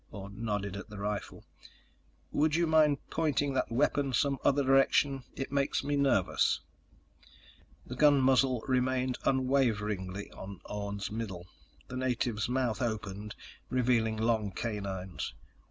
Orne nodded at the rifle. "Would you mind pointing that weapon some other direction? It makes me nervous." The gun muzzle remained unwaveringly on Orne's middle. The native's mouth opened, revealing long canines.